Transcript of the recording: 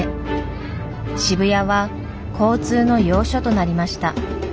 渋谷は交通の要所となりました。